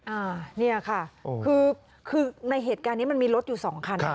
อ่าเนี่ยค่ะคือคือในเหตุการณ์นี้มันมีรถอยู่สองคัน